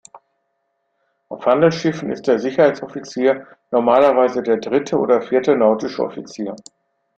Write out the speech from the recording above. Auf Handelsschiffen ist der Sicherheitsoffizier normalerweise der Dritte oder Vierte Nautische Offizier.